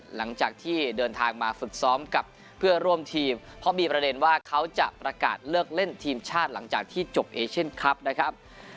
หลังจากที่เดินทางมาฝึกซ้อมกับเพื่อนร่วมทีมเพราะมีประเด็นว่าเขาจะประกาศเลิกเล่นทีมชาติหลังจากที่จบเอเชียนคลับนะครับ